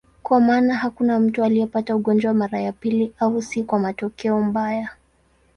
Kwa maana hakuna mtu aliyepata ugonjwa mara ya pili, au si kwa matokeo mbaya.